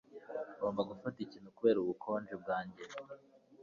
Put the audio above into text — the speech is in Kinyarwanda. Ngomba gufata ikintu kubera ubukonje bwanjye